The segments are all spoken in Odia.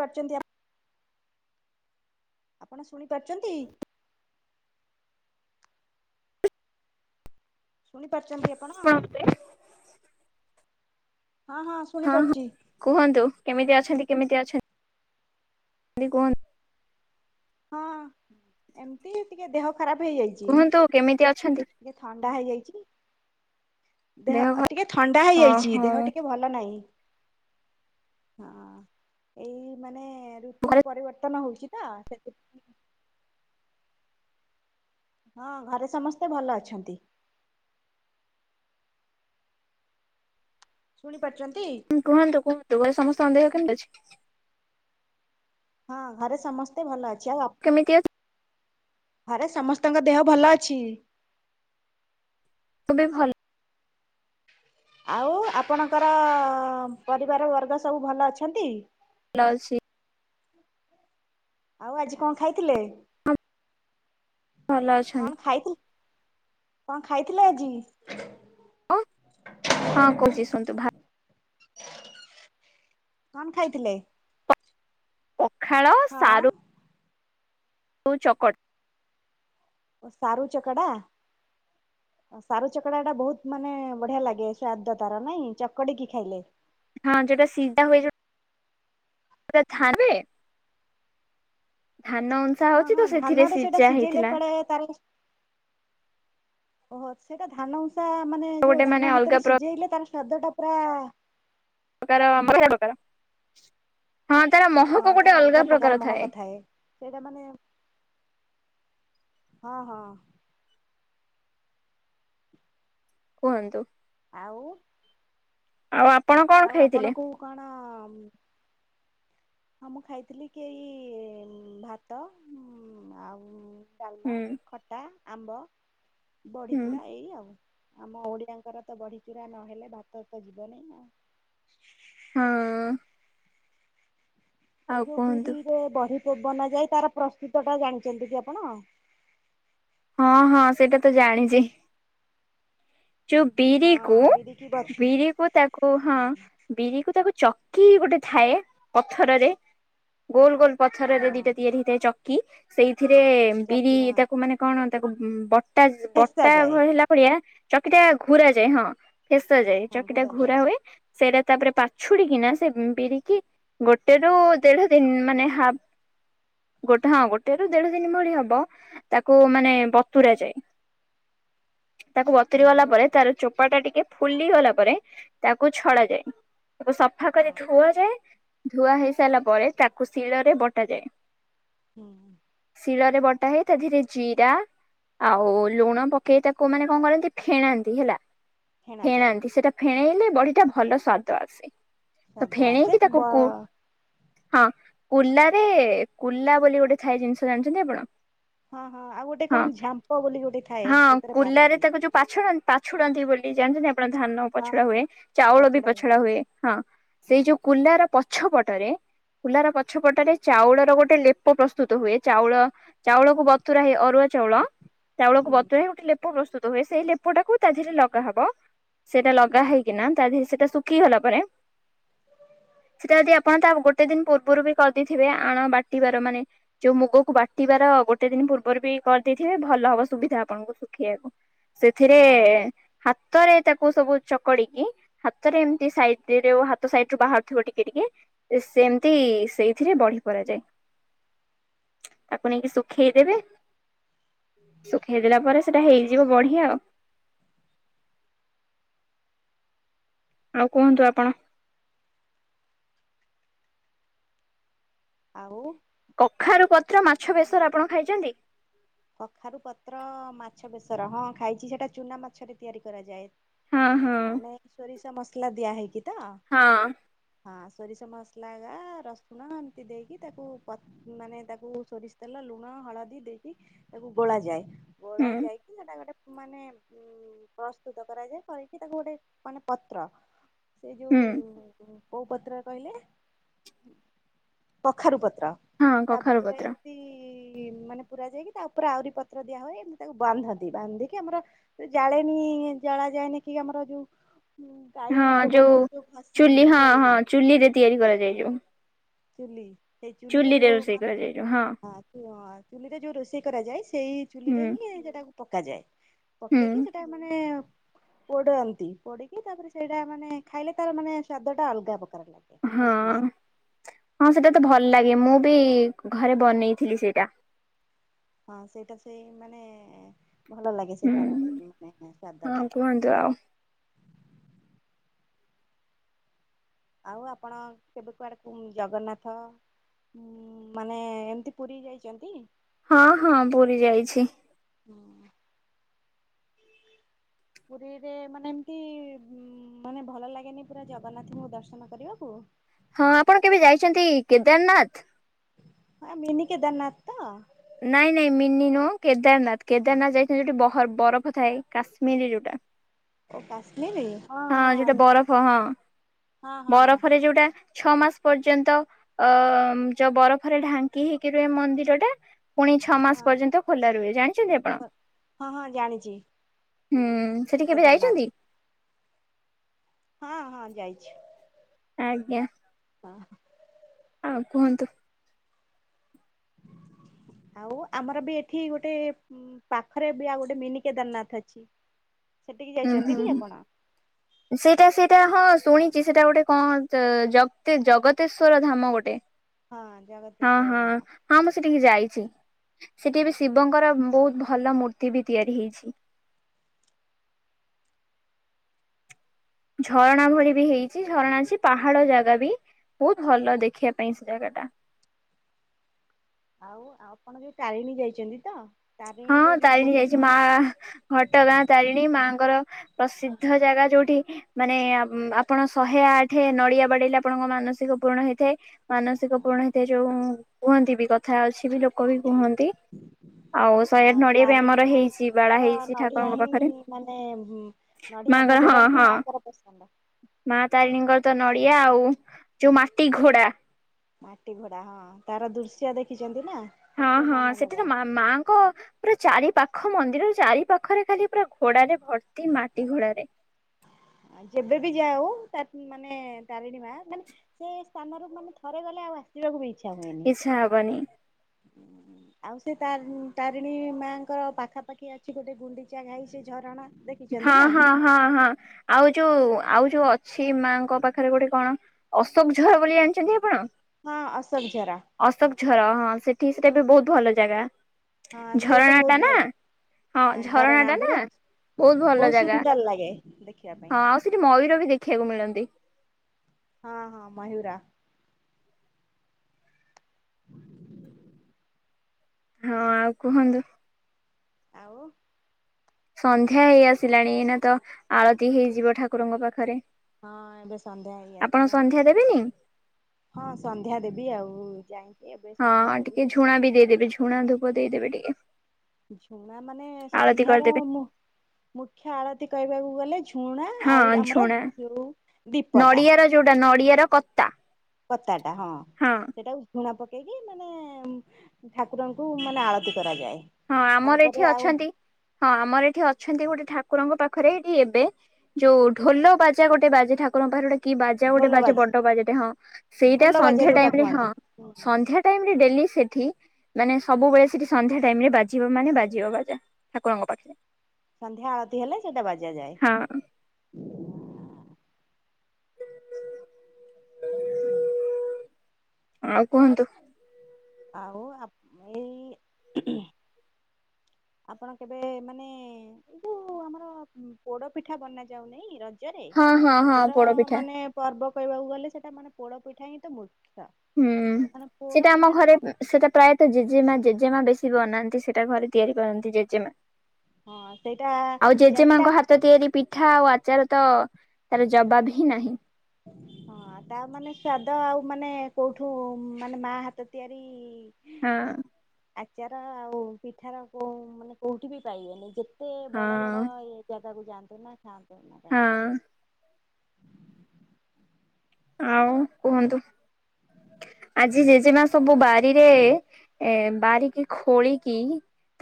କରିଛନ୍ତି ଆପ ଆପଣ ଶୁଣି ପାରୁଛନ୍ତି? ଶୁଣିପାରୁଛନ୍ତି ଆପଣ? ହଁ ହଁ ହଁ ଶୁଣିପାରୁଛି। କୁହନ୍ତୁ କେମିତି ଅଛନ୍ତି କେମିତି ଅଛନ୍ତି କୁହନ୍ତୁ। ହଁ ଏମତି ଟିକେ ଦେହ ଖରାପ ହେଇଯାଇଛି। କୁହନ୍ତୁ କେମିତି ଅଛନ୍ତି? ଟିକେ ଥଣ୍ଡା ହେଇଯାଇଛି। ଦେହ ଟିକେ ଥଣ୍ଡା ହେଇଯାଇଛି ଓହୋ ଦେହ ଟିକେ ଭଲ ନାହିଁ। ହଁ ଏଇ ମାନେ ଋତୁ ଘରେ ପରିବର୍ତ୍ତନ ହଉଛି ତ ସେଥି ହଁ ଘରେ ସମସ୍ତେ ଭଲ ଅଛନ୍ତି। ଶୁଣିପାରୁଛନ୍ତି? ହୁଁ କୁହନ୍ତୁ କୁହନ୍ତୁ ଘରେ ସମସ୍ତଙ୍କ ଦେହ କେମିତି ଅଛି? ହଁ ଘରେ ସମସ୍ତେ ଭଲ ଅଛି। ଆଉ ଆପ କେମିତି ଅ ଘରେ ସମସ୍ତଙ୍କ ଦେହ ଭଲ ଅଛି। ତୁମେ ଭଲ ଆଉ ଆପଣଙ୍କର ପରିବାର ବର୍ଗ ସବୁ ଭଲ ଅଛନ୍ତି? ଲ ଅଛି। ଆଉ ଆଜି କଣ ଖାଇଥିଲେ? ହଁ ଭଲ ଅଛନ୍ତି କଣ ଖାଇଥିଲ କଣ ଖାଇଥିଲେ ଆଜି? ହ ହଁ କହୁଛି ଶୁଣନ୍ତୁ ଭା କଣ ଖାଇଥିଲେ? ପଖାଳ ହଁ। ସାରୁ ରୁ ଚକଟା। ଓ ସାରୁ ଚକଡ଼ା? ସାରୁ ଚକଡ଼ା ଟା ବହୁତ ମାନେ ବଢିଆ ଲାଗେ ସ୍ଵାଦ ତାର ନାଇଁ ଚକଡ଼ିକି ଖାଇଲେ। ହଁ ଯୋଉଟା ସିଝା ହୁଏ ଯଉଟା ଥା ଉଁସା ହଁ ହଉଛି ତ ହଁ ସେଥିରେ ଧାନରେ ସେଇଟା ସିଝା ସିଝେଇଲେ ହେଇଥିଲା କୁଆଡେ ତାର ଓହୋ ସେଟା ଧାନ ଉଷା ମାନେ ଗୋଟେ ଯୋଉ ମାନେ ଧାନ ଅଲଗା ଭିତରେ ସିଝେଇଲେ ତାର ସ୍ୱାଦ ଟା ପୁରା ହଁ ତାର ମହକ ଗୋଟେ ଅଲଗା ପ୍ରକାର ଥାଏ। ସେଇଟା ମାନେ ହଁ ହଁ। କୁହନ୍ତୁ। ଆଉ ଆଉ ଆପଣ? କଣ ଆଉ ଖାଇଥିଲେ ଆପଣଙ୍କୁ କଣ ହଁ ମୁଁ ଖାଇଥିଲି କେହି ଭାତ ଆଉ ଡାଲମା ହୁଁ ଖଟା ଆମ୍ବ ହୁଁ ବଢ଼ିଚୁରା ଏଇ ଆଉ। ଆମ ଓଡିଆଙ୍କର ତ ବଢିଚୁରା ନହେଲେ ଭାତ ତ ଯିବନି ଆଉ। ହଁ। ଏଇ ଆଉ ଯୋଉ କୁହନ୍ତୁ ବିରିରେ ବଢି ବନା ଯାଏ ତାର ପ୍ରସ୍ତୁତ ଟା ଜାଣିଛନ୍ତି କି ଆପଣ? ହଁ ହଁ ସେଇଟା ତ ଜାଣିଛି। ଯୋଉ ବିରିକୁ ହଁ ବିରିକି ବ ବିରିକୁ ତାକୁ ହଁ ବିରିକୁ ତାକୁ ଚକି ଗୋଟେ ଥାଏ ପଥରରେ। ଗୋଲ ଗୋଲ ପଥରରେ ହଁ ଦିଟା ତିଆରି ହେଇଥାଏ ଚକି ସେଇଥିରେ ବିରି ଚକି ହଁ ତାକୁ ମାନେ କଣ ତାକୁ ବଟା ଫେସା ବଟା ଯାଏ ହେଲା ଭଳିଆ ଚକିଟା ଘୁରାଯାଏ ହଁ। ପେଶା ଯାଏ। ହଁ ଚକିଟା ଘୋରା ଯାଏ ଘୁରା ହୁଏ ସେଇଟା ତାପରେ ପାଛୁଡିକିନା ସେ ବିରିକି ଗୋଟେ ରୁ ଦେଢ ଦିନ ମାନେ ହ ଗୋଟେ ହଁ ଗୋଟେ ରୁ ଦେଢ ଦିନ ଭଳି ହବ, ତାକୁ ମାନେ ବତୁରା ଯାଏ। ତାକୁ ବତୁରି ହୁଁ ଗଲା ବ ପରେ, ତାର ଚୋପା ଟା ଟିକେ ଫୁଲି ଗଲା ପରେ, ତାକୁ ଛଡ଼ା ଯାଏ। ତାକୁ ସଫା ହଁ କରି ଧୁଆଯାଏ, ଧୁଆ ହେଇ ସାଇଲା ପରେ, ତାକୁ ଶିଳରେ ବଟାଯାଏ। ହୁଁ ହୁଁ। ଶିଳରେ ବଟା ହେଇ, ତା ଧରେ ଜିରା, ଆଉ ଲୁଣ ପକେଇ ତାକୁ ମାନେ କଅ କରନ୍ତି ଫେଣାନ୍ତି ହେଲା ଫେଣାଯାଏ ଫେଣାନ୍ତି ସେଟା ଫେଣେଇଲେ ବଢିଟା ଭଲ ସ୍ଵାଦ ଆସେ। ତ ସାଧା ସେ ଫେଣେଇକିି ବ ତାକୁ କୁ। ହଁ କୁଲାରେ, କୁଲା ବୋଲି ଗୋଟେ ଥାଏ ଜିନିଷ ଜାଣିଚନ୍ତି ଆପଣ? ହଁ ହଁ ଆଉ ଗୋଟେ ହଁ କଣ ଝାମ୍ପ ବୋଲି ଗୋଟେ ଥାଏ, ସେଥିରେ ପାରନ୍ତି। ପାଛୁଡ଼-ପାଛୁଡ଼ନ୍ତି ବୋଲି ଜାଣିଛନ୍ତି ଆପଣ? ଧାନ ହଁ ପାଛୁଡା ହୁଏ ତା ଚାଉଳ ବି ଛଡା ପଛୁଡା ହୁଏ, ହଁ ହଁ ସେଇ ଯୋଉ କୁଲାର ପଛ ପଟରେ କୁଲାର ପଛପଟରେ ଚାଉଳର ଗୋଟେ ଲେପ ପ୍ରସ୍ତୁତ ହୁଏ, ଚାଉଳ ଚାଉଳକୁ ବତୁରା ହେଇ ଅରୁଆ ଚାଉଳ, ହୁଁ ଚାଉଳକୁ ବତୁରହେଇ ଗୋଟେ ଲେପ ପ୍ରସ୍ତୁତ ହୁଏ ସେଇ ଲେପଟାକୁ ତା ଦେହରେ ଲଗା ହବ, ସେଇଟା ଲଗା ହେଇକିନା ତା ଦେହରେ ସେଇଟା ଶୁଖି ଗଲା ପରେ ସେଟା ଯଦି ଆପଣ ତା ଗୋଟେ ଦିନ ପୂର୍ବରୁ ବି କରିଦେଇଥିବେ, ଆଣ ବାଟିବାର ମାନେ ଯୋଉ ମୁଗକୁ ବାଟିବାର ଗୋଟେ ଦିନ ପୂର୍ବରୁ ବି କରିଦେଇଥିବେ, ଭଲ ହବ ସୁବିଧା ଆପଣଙ୍କୁ ଶୁଖେଇବାକୁ। ସେଥିରେ ହଁ ହାତରେ ତାକୁ ସବୁ ଚକଡିକି ହାତରେ ଏମିତି ସାଇଟରେ, ହାତ ସାଇଟ ରୁ ବାହାରୁଥିବ ଟିକେ ଟିକେ ସେମତି ସେଇଥିରେ ବଢି ପରା ଯାଏ। ତାକୁ ନେଇକି ଶୁଖେଇଦେବେ ଶୁଖେଇଦେଲା ପରେ ସେଟା ହେଇଯିବ ବଢି ଆଉ। ଆଉ କୁହନ୍ତୁ ଆପଣ। ଆଉ? କଖାରୁ ପତ୍ର ମାଛ ବେସର ଆପଣ ଖାଇଛନ୍ତି? କଖାରୁ ପତ୍ର ମାଛ ବେସର ହଁ ଖାଇଛି, ସେଟା ଚୁନା ମାଛରେ ତିଆରି କରାଯାଏ। ହଁ ହଁ। ମାନେ ସୋରିଷ ମସଲା ଦିଆ ହେଇକି ତ? ହଁ। ହଁ ସୋରିଷ ମସଲା ଗା ରସୁଣ ଏମତି ଦେଇକି ତାକୁ ପତ ମାନେ ତାକୁ ସୋରିଷ ତେଲ ଲୁଣ ହଳଦୀ ଦେଇକି ତାକୁ ଗୋଳାଯାଏ, ଗୋଳା ହୁଁ ଯାଇକି ସେଟା ଗୋଟେ ମାନେ ପ୍ରସ୍ତୁତ କରାଯାଏ କରିକି ତାକୁ ଗୋଟେ ମାନେ ପତ୍ର ସେ ହୁଁ ଯୋଉ କୋଉ ପତ୍ର କହିଲେ? କଖାରୁ ପତ୍ର। ହଁ ତା କଖାରୁ ଭିତରେ ପତ୍ର। ଏମତି ମାନେ ପୁରା ଯାଇକି ତା ଉପରେ ଆହୁରି ପତ୍ର ଦିଆ ହୁଏ, ଏମିତି ତାକୁ ବାନ୍ଧନ୍ତି। ବାନ୍ଧିକି ଆମର ଜାଳେଣି ଜଳା ଯାଏନି କି? ଆମର ଯୋଉ। ଗାଈ ଗୋବର ରୁ ଯୋଉ ଘଷି ଚୁଲି ହଁ ତିଆରି ହଁ ହୁଏ? ଚୁଲିରେ ତିଆରି କରାଯାଏ ଯୋଉ ଚୁଲି, ସେଇ ଚୁଲିରେ ଯୋଉ ରୋଷେଇ ମାନେ କରାଯାଏ ଯୋଉ ହଁ ହଁ ଚୁଲିରେ ଯୋଉ ରୋଷେଇ କରାଯାଏ, ସେଇ ଚୁଲିରେ ହୁଁ ହିଁ ସେଟାକୁ ପକାଯାଏ। ହୁଁ ପକେଇକି ସେଟା ମାନେ ପୋଡନ୍ତି, ପୋଡିକି ତାପରେ ସେଇଟା ମାନେ ଖାଇଲେ ତାର ମାନେ ସ୍ଵାଦ ଟା ଅଲଗା ପ୍ରକାର ଲାଗେ। ବହୁତ ହଁ-ଅଁ ନିଆରା ହଁ ସେଇଟା ତ ଭଲ ଲାଗେ, ମୁଁ ବି ଘରେ ବନେଇଥିଲି ସେଇଟା। ହଁ ସେଇଟା ସେଇ ମାନେ ଭଲ ଲାଗେ ସେ ହୁଁ ତାର ମାନେ ସ୍ଵାଦ ହଁ ଟା। କୁହନ୍ତୁ ଆଉ। ଆଉ ଆପଣ କେବେ କୁଆଡ଼େକୁ ଜଗନ୍ନାଥ? ହୁଁ ମାନେ ଏମତି ପୁରୀ ଯାଇଚନ୍ତି? ହଁ ହଁ ପୁରୀ ଯାଇଛି। ହଁ ଅଁ। ପୁରୀରେ ମାନେ ଏମତି, ମାନେ ଭଲ ଲାଗେନି ପୁରା ଜଗନ୍ନାଥଙ୍କୁ ଦର୍ଶନ କରିବାକୁ? ହଁ ଆପଣ କେବେ ଯାଇଛନ୍ତି କେଦାରନାଥ? ଅଁ ମିନି କେଦାରନାଥତ? ନାଇଁ ନାଇଁ ମିନି ନୁହଁ କେଦାରନାଥ କେଦାରନାଥ ଯାଇଥାନ୍ତି ଯୋଉଠି ବରଫ ଥାଏ କାଶ୍ମୀରୀ ଯୋଉଟା। ହଁ ଯୋଉଟା ବରଫ ହଁ ହଁ ହଁ ବରଫରେ ଯୋଉଟା ଛଅ ମାସ ପର୍ଯ୍ୟନ୍ତ ଅ ଯୋଉ ବରଫରେ ଢାଙ୍କି ହେଇକି ରୁହେ ମନ୍ଦିରଟା ପୁଣି ଛଅ ହଁ ମାସ ପର୍ଯ୍ୟନ୍ତ ଖୋଲା ରୁହେ ଜାଣିଛନ୍ତି ଆପଣ? ହଁ ହଁ ଜାଣିଛି ହୁଁ ସେଠି କେବେ କେଦାରନାଥ ଯାଇଚନ୍ତି? ହଁ ହଁ ଯାଇଚି। ଆଜ୍ଞା। ହଁ। ଆଉ କୁହନ୍ତୁ? ଆଉ ଆମରବି ଏଠି ଗୋଟେ ପାଖରେବି ଆଉ ଗୋଟେ ମିନି କେଦାରନାଥ ଅଛି। ସେଠିକି ଉଁ ଯାଇଛନ୍ତି କି ହୁଁ। [inaudible] ସେଇଟା ସେଇଟା ହଁ ଶୁଣିଚି ସେଇଟା ଗୋଟେ କଣ ଜଗ ଜଗତେଶ୍ଵର ଧାମ ଗୋଟେ। ହଁ ହଁ ଜଗତେଶ୍ଵର ହଁ ଧାମ ହଁ ମୁଁ ସେଠିକି ଯାଇଚି ହଁ ସେଠିବି ଶିବଙ୍କର ବହୁତ୍ ଭ ଭଲ ମୂର୍ତ୍ତିବି ତିଆରି ହେଇଚି। ଝରଣା ଭଳିବି ହେଇଚି ଝରଣା ଅଛି ପାହାଡ଼ ଜାଗାବି ବହୁତ୍ ଭଲ ଦେଖିବା ପାଇଁ ସେଜାଗାଟା। ଆଉ ଆଉ ଆପଣବି ତାରିଣୀ ଯାଇଚନ୍ତିତ? ହଁ ତାରିଣୀ ଯାଇଚି ମା ଘଟଗାଁ ତାରିଣୀ ମାଙ୍କର ପ୍ରସିଦ୍ଧ ଜାଗା ଯୋଉଠି ମାନେ ଆପଣ ଶହେ ଆଠ ନଡ଼ିଆ ବାଡ଼େଇଲେ ଆପଣଙ୍କ ମାନସିକ ପୂରଣ ହେଇଥାଏ। ମାନସିକ ପୁରଣା ହେଇଥାଏ ଯୋଉ କୁହନ୍ତିବି କଥାରେ ଅଛିବି ଲୋକବି କୁହ [inaudible] ହଁ ତାରିଣୀ ଆମର ହେଇଛି ବାଡା ମାଙ୍କର ହେଇଛି ଠାକୁରଙ୍କ ନଡ଼ିଆହିଁ ପାଖରେ ମାନେ ନଡ଼ିଆ ମାଙ୍କର ହଁ ଭୋଗଟାହିଁ ହଁ। ମାଁଙ୍କର ପସନ୍ଦ। ମା ତାରିଣୀଙ୍କରତ ନଡ଼ିଆ ଆଉ ଯୋଉ ମାଟି ଘୋଡା। ମାଟି ଘୋଡ଼ା ହଁ ତାର ଦୃଶ୍ୟ ଦେଖିଚନ୍ତିନା? ହଁ ହଁ ସେଠିତ ମା ମାଙ୍କ ପୁରା ଚାରି ପାଖ ମନ୍ଦିର ଚାରି ପାଖରେ ଖାଲି ପୁରା ଘୋଡ଼ାରେ ଭର୍ତ୍ତି ମାଟି ଗୋଡ଼ରେ। ଆଉ ଯେବେବି ଯାଉ ତାରି ମାନେ ତାରିଣୀ ମା ମାନେ ସେ ସ୍ଥାନରୁ ମାନେ ଥରେ ଗଲେ ଆଉ ଆସିବାକୁବି ଇଚ୍ଛା ହୁଏନି ଇଚ୍ଛା ହବନି। ହୁଁ। ଆଉସେ ତାରି ତାରିଣୀ ମାଙ୍କର ପାଖାପାଖି ଅଛି ଗୋଟେ ଗୁଣ୍ଡିଚା ଘାଇ ସେଝରଣା ଦେଖ ହଁ ହଁ ହଁ ହଁ ଆଉ ଯୋଉ ଆଉ ଯୋଉ ଅଛି ମାଁଙ୍କ ପାଖରେ ଗୋଟେ କଣ ଅଶୋକ ଝର ବୋଲି ଜାଣିଚନ୍ତି ଆପଣ? ହଁ ଆସୋକ ଝରା। ଅଶୋକ ଝର ହଁ ସେଠି ସେଟାବି ବହୁତ୍ ଭଲ ଜାଗା। ହଁ ସେତ ଝରଣା ଟା ବହୁତ୍ ନା ଭଲ ହଁ ଝରଣା ବହୁତ୍ ବହୁତ ଭଲ ବହୁତ୍ ଜାଗା ସୁନ୍ଦର ଲାଗେ ଦେଖିବା ପାଇଁ। ହଁ ଆଉ ସେଠି ମୟୂରବି ଦେଖିବାକୁ ମିଳନ୍ତି। ହଁ ହଁ ମୟୁର। [inaudible] ହଁ ଆଉ କୁହନ୍ତୁ? ଆଉ? ସନ୍ଧ୍ୟା ହେଇ ଆସିଲାଣି ଏଇନାତ ଆଳତି ହେଇଯିବ ଠାକୁରଙ୍କ ପାଖରେ। ହଁ ଏବେ ସନ୍ଧ୍ୟା ହେଇ ଆପଣ ଆସିଲାଣି। ସନ୍ଧ୍ୟା ଦେବେନି? ହଁ ସନ୍ଧ୍ୟା ଦେବି ଆଉ ଯାଏ ହଁ ଟିକେ ଝୁଣାବି ଦେଇଦେବେ ଝୁଣା ଧୂପ ଦେଇଦେବେ ଟିକେ। ଝୁଣା ମାନେ ଆଳତି ସନ୍ଧ୍ୟାର କରିଦେବେ। ମୁ ମୁଖ୍ୟ ଆଳତି କହିବାକୁ ଗଲେ ଝୁ ଝୁଣା ଆଉ ହଁ ଆମର ଝୁଣା ଯୋଉ ଦୀପଟା ନଡିଆର ଯୋଉଟା ନଡ଼ିଆର କତା କତାଟା ହଁ ସେଇଟାକୁ ଲୁଣ ପକେଇକି ମାନେ ଠାକୁରଙ୍କୁ ମାନେ ଆଳତି କରାଯାଏ। ହଁ ଆମର ତାପରେ ଏଠି ଆଉ ଅଛନ୍ତି ହଁ ଆମର ଏଠି ଅଛନ୍ତି ଗୋଟେ ଠାକୁରଙ୍କ ପାଖରେ ଏଠି ଏବେ ଯୋଉ ଢୋଲ ବାଜା ଗୋଟେ ବାଜେ ଠାକୁଙ୍କ ପାଖରେ ଗୋଟେ କି ବାଜା ଗୋଟେ ଢୋଲ ବାଜା ବାଜି ବଡ ବାଜାଟରେ ହଁ ସେଇଟା ଢୋଲ ବାଜା ସନ୍ଧ୍ୟା ଯୋଉଟା ଟାଇମ ରେ ହଁ କୁହନ୍ତି ସନ୍ଧ୍ୟା ଟାଇମରେ ଡେଲି ସେଠି ମାନେ ସବୁବେଳେ ସିଠି ସନ୍ଧ୍ୟା ଟାଇମରେ ବାଜିବ ମାନେ ବାଜିବ ବାଜା ଠାକୁରଙ୍କ ପାଖରେ ସନ୍ଧ୍ୟା ଆଳତି ହେଲେ ସେଇଟା ବାଜା ଯାଏ। ହଁ। ଆଉ କୁହନ୍ତୁ? ଆଉ ଆପ ଏଇ ଆପଣ କେବେ ମାନେ ଏଇ ଯୋଉ ଆମର ପୋଡ ପିଠା ବନା ଯାଉନାଇଁ ରଜ ଜରେ ହଁ ହଁ ହଁ ରଜର ପୋଡପିଠା ମାନେ ପର୍ବ କହିବାକୁ ଗଲେ ସେଟା ମାନେ ପୋଡ ପିଠା ହିଁ ତ ମୁଖ୍ୟ। ହୁଁ ମାନେ ପୋଡ ସେଇଟା ଆମ ପିଠା ଟା ଘରେ କଣ ସେଇଟା ପ୍ରାୟତଃ ଜେଜେମା ଜେଜେମା ବେଶୀ ବନାନ୍ତି ସେଇଟା ଘରେ ତିଆରି କରନ୍ତି ଜେଜେମା। ହଁ ସେଇଟା ଆଉ ଯା ଭିଲା ଜେଜେମାଙ୍କ ହାତ ତିଆରି ପିଠା ଆଉ ଆଚାର ତ ତାର ଜବାବ ହିଁ ନାହିଁ। ହଁ। ହଁ ତା ମାନେ ସ୍ଵାଦ ଆଉ ମାନେ କୋଉଠୁ ମାନେ ମା ହାତ ତିଆରି ହଁ। ଆଚାର ଆଉ ପିଠାର କୋଉ ମାନେ କୋଉଠି ବି ପାଇବେନି ଯେତେ ବଡ ହଁ ବଡ଼ ଇଏ ଜାଗାକୁ ଯାଆନ୍ତୁ ନା ଖାଆନ୍ତୁ ନା କାଇଁକି। ହଁ ଆଉ କୁହନ୍ତୁ? ଆଜି ଜେଜେମାସ ସବୁ ବାରିରେ ଏ ବାରିକି ଖୋଳିକି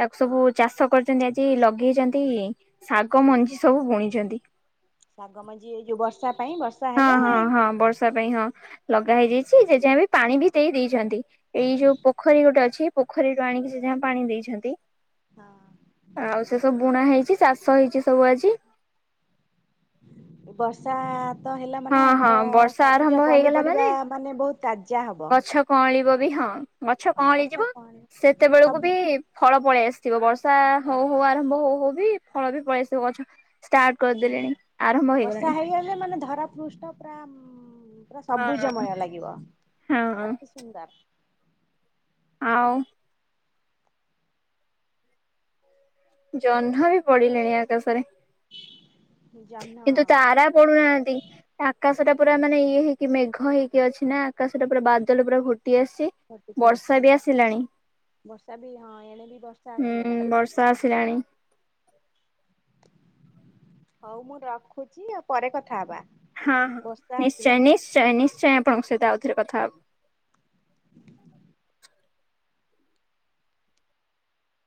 ତାକୁ ସବୁ ଚାଷ କରିଛନ୍ତି ଆଜି ଲଗେଇଛନ୍ତି ଶାଗ ମଞ୍ଜି ସବୁ ବୁଣିଛନ୍ତି। ଶାଗ ମଞ୍ଜି ଏଇ ଯୋଉ ବର୍ଷା ପାଇଁ ବର୍ଷ ହଁ ହଁ ହଁ ବର୍ଷା ପାଇଁ ହଁ ଲଗା ହେଇଯାଇଛି ଜେଜେମା ବି ପାଣି ବି ଦେଇ ଦେଇଛନ୍ତି। ଏଇ ଯୋଉ ପୋଖରୀ ଗୋଟେ ଅଛି ପୋଖରୀରୁ ଆଣିକି ସେ ଯାହା ପାଣି ଦେଇଛନ୍ତି। ହଁ। ଆଉ ସେ ସବୁ ବୁଣା ହେଇଛି ଚାଷ ହେଇଛି ସବୁ ଆଜି। ବର୍ଷା ତ ହେଲା ମାନେ ହଁ ହଁ ଆମର ବର୍ଷା ଆରମ୍ଭ ସବୁଜ ହେଇଗଲା ପନିପରିବା ମାନେ ବହୁତ ତାଜା ହବ। କଁଳିବ ବି ହଁ ଗଛ ହଁ କଁଳି ଯିବ କଣ ସେତେବେଳକୁ ସବୁ ବି ଫଳ ପଳେଇ ଆସିଥିବ ବର୍ଷା ହଉ ହଉ ଆରମ୍ଭ ହଉ ହଉ ବି ଫଳ ବି ପଳେଇ ଆସିଥିବ ଗଛ ଷ୍ଟାର୍ଟ ହଁ କରିଦେଲେଣି ଆରମ୍ଭ ବର୍ଷା ହେଇଗଲାଣି। ହେଇଗଲେ ମାନେ ଧରା ପୃଷ୍ଟ ପୁରା ଉଁ ପୁରା ହଁ ସବୁଜମୟ ଲାଗିବ ହଁ ଅତି ସୁନ୍ଦର। ଆଉ ଜହ୍ନ ବି ପଡିଲେଣି ଆକାଶରେ। ଜହ୍ନ କିନ୍ତୁ ତାରା ପଡୁନାହାନ୍ତି। ଆକାଶଟା ପୁରା ମାନେ ଇଏ ହେଇକି ମେଘ ହେଇକି ଅଛି ନା ଆକାଶଟା ପୁରା ବାଦଲ ପୁରା ଘୋଟି ଆସିଛି। ଆଉ ଟିକେ ବର୍ଷା ଅଛି, ବି ଆସିଲାଣି ବର୍ଷା ବି ହଁ ଏଣେ ବି ବର୍ଷା ଆସିଗଲାଣି। ର୍ଷା ଆସିଲାଣି ହଉ ମୁଁ ରଖୁଛି ଆଉ ପରେ କଥା ହବା। ହଁ ବର୍ଷା ହଁ ନିଶ୍ଚୟ ଆସିଲାଣି ମୁଁ ନିଶ୍ଚୟ ନିଶ୍ଚୟ ଆପଣଙ୍କ ସହିତ ଆଉ ଥରେ କଥା ହବୁ।